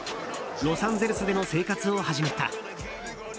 ロサンゼルスでの生活を始めた。